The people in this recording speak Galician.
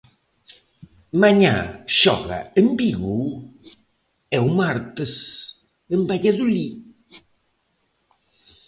Mañá xoga en Vigo e o martes en Valladolid.